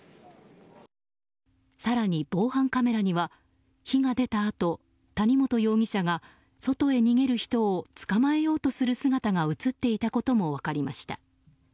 更に防犯カメラには火が出たあと谷本容疑者が、外へ逃げる人を捕まえようとする姿が映っていたことも分かりました。